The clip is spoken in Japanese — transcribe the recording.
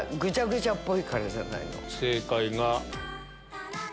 正解が。